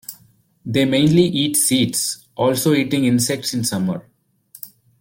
They mainly eat seeds, also eating insects in summer.